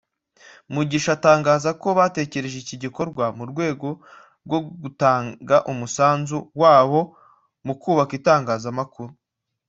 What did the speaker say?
Mugisha atangaza ko batekereje iki gikorwa mu rwego rwo gutanga umusanzu wabo mu kubaka Itangazamakuru